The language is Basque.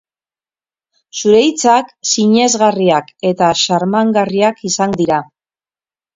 Zure hitzak sinesgarriak eta xarmagarriak izango dira.